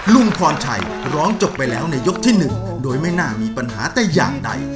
ลุงพรชัยร้องจบไปแล้วในยกที่๑โดยไม่น่ามีปัญหาแต่อย่างใด